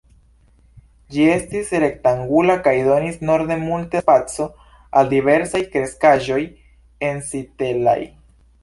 Ĝi estis rektangula kaj donis norde multe da spaco al diversaj kreskaĵoj ensitelaj.